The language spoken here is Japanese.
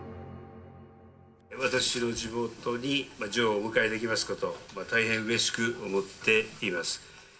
私の地元にジョーをお迎えできましたことを、大変うれしく思っています。